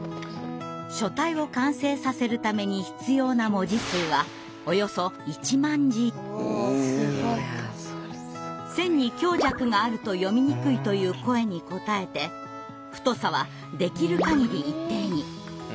書体を完成させるために必要な文字数は線に強弱があると読みにくいという声に応えて太さはできる限り一定に。